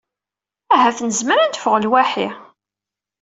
Ahat nezmer ad neffeɣ lwaḥi.